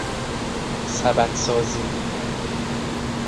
سبدسازی